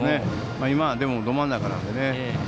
今は、でもど真ん中なので。